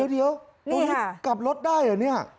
เดี๋ยวตรงนี้กลับรถได้เหรอเนี่ย